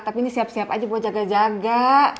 tapi ini siap siap aja buat jaga jaga